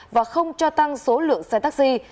và không cho tăng số lượng xe taxi